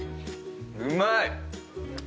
うまい！